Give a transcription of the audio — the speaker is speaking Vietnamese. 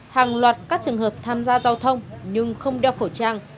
hàng loạt các trường hợp tham gia giao thông nhưng không đeo khẩu trang